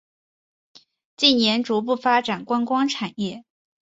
近年逐步发展观光产业。